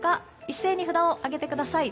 一斉に札を上げてください。